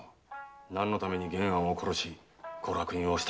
何のために玄庵を殺しご落胤を仕立てたのだ。